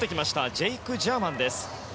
ジェイク・ジャーマンです。